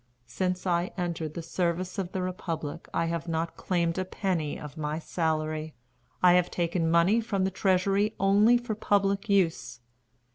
Since I entered the service of the republic I have not claimed a penny of my salary. I have taken money from the treasury only for public use.